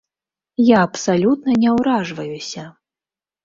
Я абсалютна не ўражваюся.